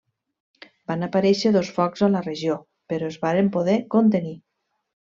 Van aparèixer dos focs a la regió, però es varen poder contenir.